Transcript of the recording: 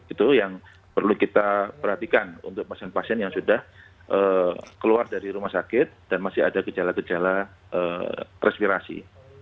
itu yang perlu kita perhatikan untuk pasien pasien yang sudah keluar dari rumah sakit dan masih ada gejala gejala respirasi